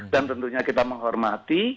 dan tentunya kita menghormati